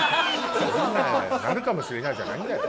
「なるかもしれない」じゃないんだよ。